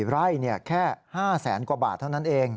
ไร่แค่๕แสนกว่าบาทเท่านั้นเอง